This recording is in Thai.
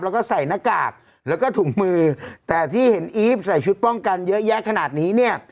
แล้วก็ใส่หน้ากากแล้วก็ถุงมือแต่ที่เห็นอีฟใส่ชุดป้องกันเยอะแยะขนาดนี้เนี่ย